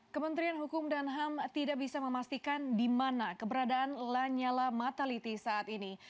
kementerian hukum dan ham tidak bisa memastikan di mana keberadaan lanyala mataliti saat ini